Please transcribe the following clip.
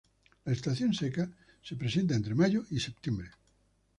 La estación seca se presenta entre mayo y septiembre.